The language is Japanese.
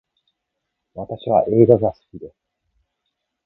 私は映画が好きです